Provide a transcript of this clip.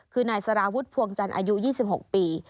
คือนายสารวุฒิพวงจันทร์อายุ๒๖ปี